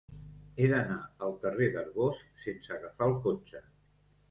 He d'anar al carrer d'Arbós sense agafar el cotxe.